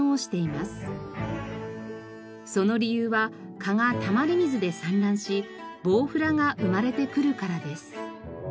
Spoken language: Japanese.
その理由は蚊がたまり水で産卵しボウフラが生まれてくるからです。